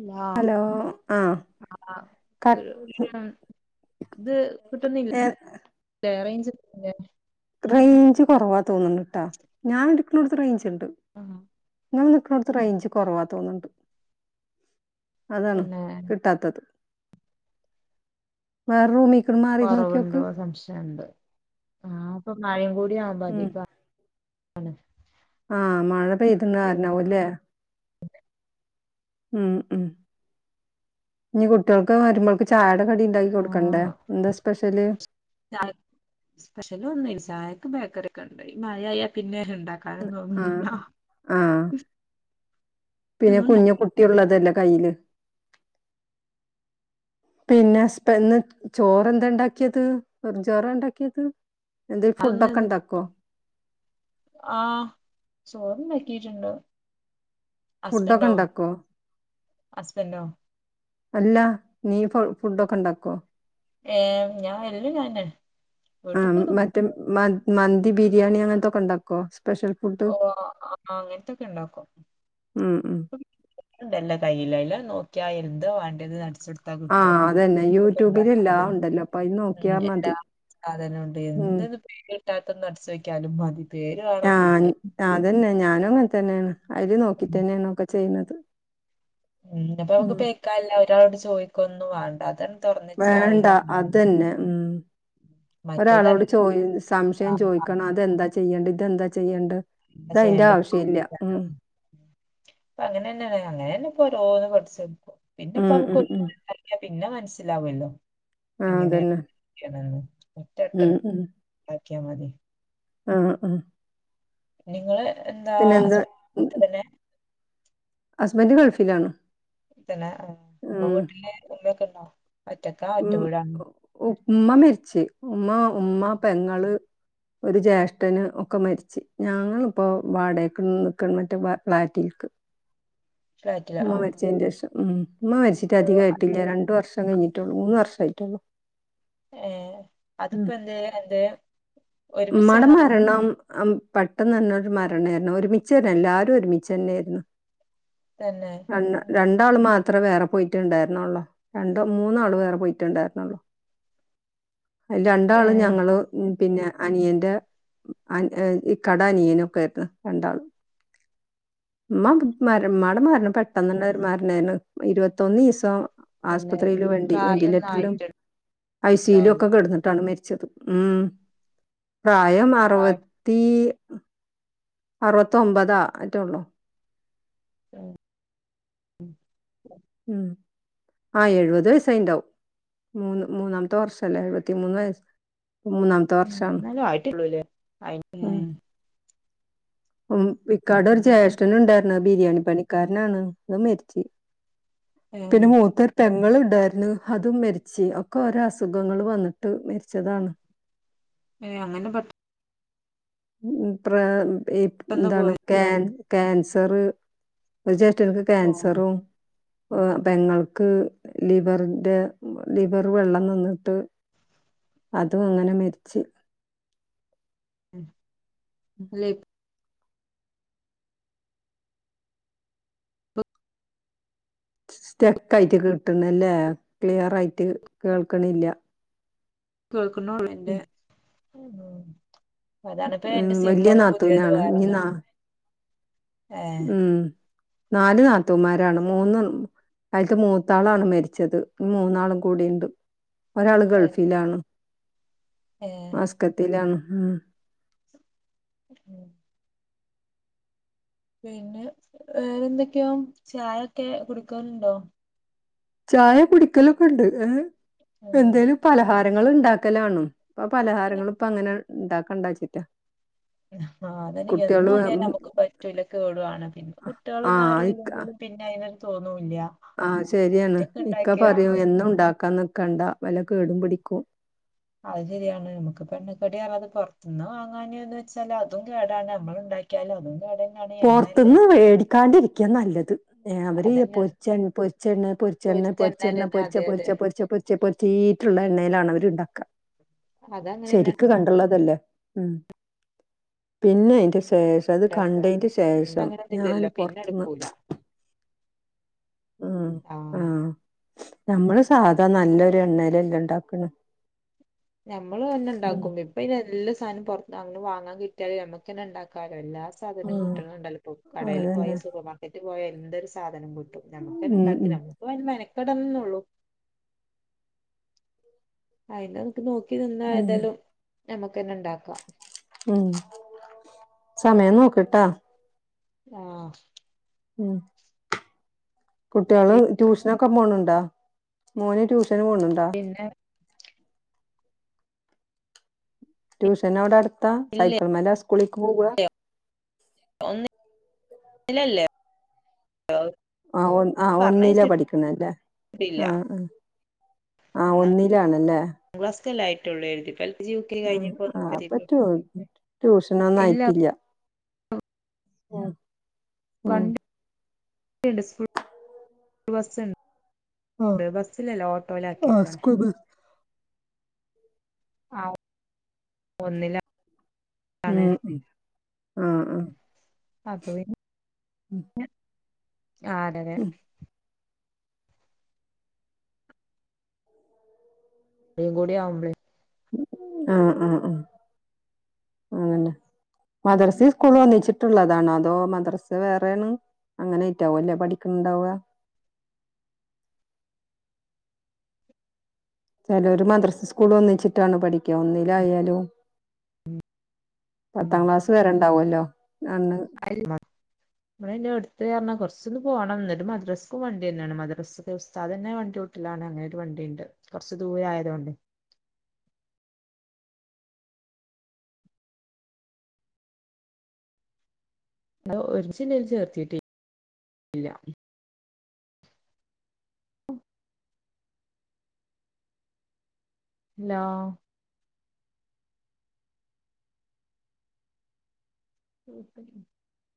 ഇല്ലാ ഹലോ ആഹ് കട്ട് ഇത് കിട്ടുന്നില്ല റേഞ്ചില്ലേ റേഞ്ച് കുറവാ തോന്നുന്നുണ്ട്ട്ടാ ഞാൻ ഇരിക്കുന്നിടത്ത് റേഞ്ച് ഉണ്ട് ആഹ് ങ്ങൾ നിക്ക്ണോട്ത്ത് റേഞ്ച് കൊറവാ തോന്ന്ണ്ട്. അതാണ് പിന്നെ കിട്ടാത്തത്. വേറൂമി കൊറവുണ്ടോ സംശയംണ്ട്. ന്നാപ്പൊ മയേം കൂ ഉം [unintelligible] ആഹ് മഴ പെയ്ത്ണ കാരണാവൂലെ? ഉം ഉം ഇനി കുട്ട്യേൾക്ക് വരുമ്പോൾക്ക് ചാട കടി ണ്ടാക്കി കൊടുക്കണ്ടേ, ആഹ് എന്താ സ്പെഷ്യല്? സ്പെഷല ഒന്ന് സായക്ക് ബേക്കറി ണ്ട മഴയാ പിന്നെ ഉണ്ടാക്കാനും ആഹ് തോന്നുന്നില്ല ആഹ് പിന്നെ കുഞ്ഞു ഒന്നുണ്ടാക്കി കുട്ടിയള്ളതല്ലേ കയ്യില് പിന്നെന്ന് ചോറ് എന്താ ഉണ്ടാക്കിയത് വെറ ചോറ ഉണ്ടാക്കിയത് എന്തേ ഫുഡൊക്കെ ഉണ്ടാക്കോ ആഹ ചോറന്നെ ിയിട്ടുണ്ട്ോ ഫുഡൊക്കെ ഇണ്ടാക്കോ ഹസ്ബൻഡോ അല്ല നീ ഫ ഫുഡൊക്കെ ഉണ്ടാക്കോ ഏഹ് ഞാൻ എല്ലാം ഞാന് ആ വീട്ട്ത്തതും മറ്റേ മ മ ബിരിയാണി അങ്ങനത്തൊക്കെ ഉണ്ടാക്കോ സ്പെഷ്യൽ ഫുഡ്? ഓ ആ അങ്ങനത്തൊക്കെ ഉണ്ടാക്കോ ഉം ഉം ണ്ടല്ല കയ്യില്ലല്ല നോക്കിയന്തോ വേണ്ടത് അടിച്ചൊടുത്താ കിട്ടും ആഹ അതന്നെ ഒക്കെണ്ടാ യൂട്യൂബിൽ എല്ലാം ഉണ്ടല്ലോ അപ്പൊ അ നോക്കിയാ മതി സാധനമുണ്ട് ഉം എന്തന്നും പേര് കിട്ടാത്തന്ന് അടച്ച വെക്കാലും മതി പേര് കാേണം അതന്നെ ഞാനും അങ്ങനെ തന്നെയാണ് അതില് നോക്കിട്ട് തന്നെയാണ ഒക്കെ ചെയ്യുന്നത് ഉ അപ്പൊ നക്ക് ഉം പേക്കല്ല ഒരാളോട് ചോദിക്കൊന്നും വേണ്ട അത വേണ്ട അതന്നെ ഉ മറ്റേത് ഒരാളോട് അങ്ങനെ ചോയി സംശയം ചോദിക്കണം അതെന്താ ചെയ്യണ്ട ഇതെന്താ ചെയ്യണ്ട് ചെയ്യണ്ട അപ്പ അങ്ങനെന്ന അങ്ങനെന്നെ ഓരോന്ന് കൊറച്ച് പിന്നെ ഇപ്പ ഉം ഉം ഉം നമക്ക്റ പിന്നെ മനസ്സിലാാവല്ലോ ആഹ് അതന്നെ എങ്ങനെയാണ് ഉം ഉം മുക്ക മതി ആഹ ആഹ നിങ്ങള് എന്താസ്ബന് തന്നെ ഹസ്ബൻഡറ് കൾഫിലാണ്ോ ഇതന്നെ ആ അപ്പൊ വീട്ടില് ഉമ്മക്കണ്ടോ ഉം ഉമ്മ മരിച്ച് ഉമ്മ ഉമ്മ പെങ്ങ ഒരു ജ്യേഷ്ഠന് ഒക്കെ മരിച്ച്ു ഞങ്ങിപ്പോൊ വാടകക്ക് നിക്കണം മറ്റേ ഫ്ളാറ്റിൽ ക്ക് ഫ്ലാറ്റിലാ ഉമ്മ ആഹ് മരിച്ചതിന് ആഹ് ശേഷം ഉം ഉമ്മ മരിച്ചിട്ട് ഓ അത് അധികമായിട്ടില്ല രണ്ടു വർഷം കഴിഞ്ഞിട്ടുള്ളൂ മൂന്ന് വർഷം ആട്ടുള്ളു ഏർ അത്പ്പ എന്ത് എന്ത് മട മരണം പെട്ടെന്ന് തന്നെരു മരണായിരുന്നു ഒരുമിച്ച തന്ന എല്ലാരും ഒരുമിച്ച തന്നെ ആായിരുന്നു തന്നെ ര ഉം രണ്ടാള മാ അത്ര വേറെ പോയിട്ടുണ്ടായിരുന്നള്ളോ രണ്ട മൂന്നാള് വേറെ പോയിട്ടുണ്ടായിരുന്നള്ളോ അ രണ്ടാള്ും ഏഹ് ഞങ്ങള് പിന്നെ അനിയന്റെ ഈ കട അനിയനൊക്കൊയിരുന്നു രണ്ടാൾ ഉ മമ്മടെ മരണം പെട്ടന്ന് തന്നെ മരണായിരുന്നു ഇരുപത്തൊന്ന്ു ദിവസം പിന്നെ ആസ്പത്രിയില വണ്ട പ്രായൊന്നും വെന്റിലേറ്ററിലും ഐ സയിലും ആയിട്ടുണ്ടാവില്ല ഒക്കെ കിടന്നിട്ടാണ് ഉം പ്രായം പ്രായം അറുപത്തി അറുപത്തൊമ്പതാ അറ്റേ ഉള്ളൂ ഉം ഉ ഉം ആ എഴുപത് വയസ്സയിണ്ടാവും മൂന്ന് മൂന്നാമത്തെ വർഷല്ല എഴുപത്തിമൂന്ന് വയസ് മൂന്നാമത്തെ ഉം വർഷാണ് എന്നാലും ആയിട്ടുള്ളൂല്ലേ അയിന് ഉം ഉം ഇക്കാട ഒരു എന്തായാലും ജ്യേഷ്ഠന് ഉണ്ടായിരുന്ന ബിരിയാണി പണിക്കാരനാണ് അത് മരിച്ച ഏഹ് പിന്നെ മൂത്തർ നിങ്ങളുണ്ടായിരുന്നു അതും മരിച്ച് ഒക്കെ ഒരോ അസുഖങ്ങൾ വന്നിട്ട് മരിച്ചതാണ് ഏ അങ്ങനെ പെട്ട ഉ പെട്ടെന്ന് എന്താണ് പോയത് കാൻസർ എനിക്ക് ഓഹ് ക്യാൻസറും പെങ്ങൾക്ക് ലിവറിന്റെ ലിവർ വെള്ളം നിന്നിട്ട് അതും അങ്ങനെ മരിച്ച് ഉ അല്ലേ സ്റ്റെക്ക് ആയിട്ട് കിട്ടണല്ലേ ക്ലിയർയിട്ട് കേൾക്കണില്ല കേൾക്കണ് ള്ളന്റെ അതാണിപ്പം എന്റെ ഉം, സിം വലിയ ഒന്ന് പുതിയത് നാത്തൂനാണ് ഇനി നാ വേറെൊന്നിട്ട് ആഹ ഉം നാല് നാത്തൂമാരാണ് മൂന്ന് അയിത്ത് മൂത്താളാണ് മരിച്ചത് ഇ മൂന്നാളും കൂടിുണ്ട് ഒരാള് ഏഹ് ഗൾഫിലാണ് ഏഹ് മസ്‌കറ്റിലാണ് ഉ ഉ പിന്നെ വേറെന്തൊക്കെയോ ചായൊക്കെ കുടുക്കുന്നുുണ്ടോ ചായ കുടിക്കലൊക്കൊണ്ട് ഏ ഉം എന്തേലും പലഹാരങ്ങൾ ഉണ്ടാക്കലാണോ ഇപ്പൊ പലഹാരങ്ങൾ ഇപ്പ അങ്ങനെ ഉണ്ടാക്കവെച്ചിട്ടാ അതന്െ എന്നും അറിയാൻ നമുക്ക് പറ്റൂല കേടുാണ് പിന്നെ ആ കുട്ടികളൊന്നും ആരുല്ലെങ്കിലും പിന്നെ അതിന ആഹ ശരിയാണ് ഇക്ക ഉണ്ടാക്കിയ പറയൂ എന്നും ഉണ്ടാക്കാന്ന്ക്കണ്ടാ വില കേടും പിടി ഇിക്കും അത് ശരിയാണ് നമുക്ക് പെണ്ണക്കടടി അറത് പുറത്തുന്ന് വാങ്ങാനന്ന് വെച്ചാല് അതും കേടാണ് നമ്മളണ്ട വയ്കലോ അതും കേടന്നെയാണ് എണ്ണയല്ലേ പുറത്തുന്ന് വേടിക്കാണ്ടിരിക്കയ നല്ലത് അവര് അതന്നെയാണ് പൊരിച്ചെ പൊച്ചെണ്ണ പൊരിച്ചെണ്ണ പൊരിച്ച പൊരിച്ചെണ്ണ എണ്ണയിലന്നെ പൊരിച്ച അതെ അതെ പൊരിച്ച പൊരിച്ച പൊരിച്ച പൊരിച്ച വീട്ടിലുള്ള എണ്ണയിലാണ് അവർ ഉണ്ടാക്കുക [inaudible] അതങ്ങനെന്നെ ശരിക്ക് കണ്ടുള്ളതല്ലേ ഉം പിന്നെ അതിന്റെ ശേഷം അത് ഉണ്ടാക്കുക കണ്ട ഇപ്പ ശേഷം ഞാന് അങ്ങനൊന്നുല്ലല്ലോ പിന്നെ പുൊറത്തന്ന് എടുക്കൂല ഉ ആഹ ആഹ് നമ്മള് സാധാ നല്ലൊരു എണ്ണയിലെല്ലാംണ്ട ക്കണ ഞമ്മള് തന്നെ ഉണ്ടാക്കും ഇപ്പൊ എല്ലാം സാധനം പുറത്ത് അങ്ങനെ വാങ്ങാ കിട്ടിയാലല് നമുക്ക്ന്നെ ഉണ്ടാക്കാാലോ എല്ലാ സധനം ഉം കിട്ട് ഉണ്ടല്ലോ ഇപ്പോ കടയിൽ പോയോ അതന്നെ സൂപ്പർമാർക്കറ്റിൽ പോയോ എന്തൊ ഒരു സാധനം കിട്ട നമ്മുക്കന്ന ഉം ഉണ്ടാക്കി ഉം നമ്മുക്ക് മെനക്കെടന്നന്നള്ളു അയിന്റെ നമുക്ക് നോക്കി നിന്ന ഉം ആയതാലും നമുക്ക് തന്നെ ഉണ്ടാക്കാം ഉ സമയം നോക്കിട്ടാ ആഹ ഉം കുട്ടികള് ട്യൂഷനൊക്കെ പോണണ്ടോ മൂന് ട്യൂഷൻ പോണുണ്ടാ പിന്നെ ട്യൂഷൻ അവിടെ അടുത്താ ഇല്ല സൈക്കിൾ മല സ്കൂളേക്ക് പോവ ഇല്ലല്ലേ ആ ഒ ആ ഒന്നില പറഞ്ഞയച്ചിട്ടില്ല പഠിക്കണല്ലേ ആഹ ആ ആ ഒന്നാം ഒന്നിലാണല്ലേ [unintelligible] ആഹ് കഴിഞ്ഞപ്പോ ആഹ് അപ്പൊ നോക്കല്ല ട്യൂ ട്യൂഷനൊന്നും ഇല്ല അ വണ്ടിണ്ട് സ്കൂൾ ബസ് ഉണ്ട് ഉം ഇത് ബസ്സിലല്ലോ ഓട്ടോയില ആ ആക്കിക്കണേ സ്കൂൾ ബസ് ആ ഒന്നില്ല ഉം ഉ ആഹ ഉഹ അപ്പ പിന്നെ ആ അതെതെ ഉം [unintelligible] ആഹ ഉ [unintelligible] മദ്രസ സ്കൂൾ ഒന്നിച്ചിട്ടുള്ളതാണോ അതോ മദ്രസ വേറൊണ് അങ്ങനൊയിറ്റാവ അല്ലേ പഠിക്കണണ്ടാവ [inaudible] ചില ഒരു മദ്രസ് സ്കൂൾ ഒന്നിച്ചിട്ടാണ് പഠിക്കുക ഒന്നിലായാലും പത്താം ക്ലാസ് വരെണ്ടാവല്ലോ അയി അത് കാരണം കുറച്ചൊന്ന് പോകണം എന്നന്നട്ട് മദ്രസ്സക്കും വണ്ടി തന്നെയാണ് മദ്രസ്ക്കെ ഉസ്ാദ് തന്ന വണ്ടിട്ടലാണ് അങ്ങനെ ഒരു വണ്ടി ണ്ട് കൊറച്ച് ദൂരെയത്കൊണ്ട് അ ഒരുമിച്ചില്ലൽ ചേർത്തിട്ടേല്ല ന [inaudible]